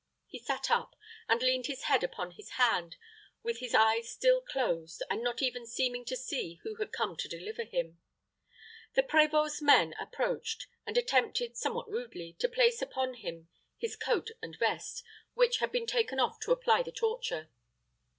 He sat up, and leaned his head upon his hand, with his eyes still closed, and not even seeming to see who had come to deliver him. The prévôt's men approached, and attempted, somewhat rudely, to place upon him his coat and vest, which had been taken off to apply the torture.